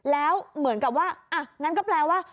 แล้วเหมือนกับว่าอ่ะงั้นก็แปลว่า